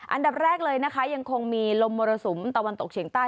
อันดับแรกเลยนะคะยังคงมีลมมรสุมตะวันตกเฉียงใต้